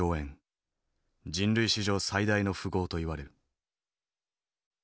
人類史上最大の富豪といわれる。